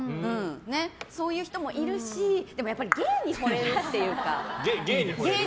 そういう人もいるしでも、芸にほれるというか。